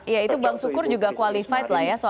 ya itu bang sukur juga qualified lah ya untuk itu ya